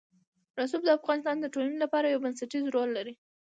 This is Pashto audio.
رسوب د افغانستان د ټولنې لپاره یو بنسټيز رول لري.